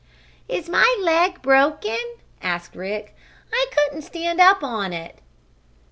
"Is my leg broken?" asked Rick. "I couldn't stand up on it."